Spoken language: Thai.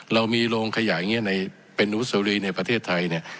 เรามีโรงขยายอย่างเงี้ยเป็นอุศรีในประเทศไทยเนี่ย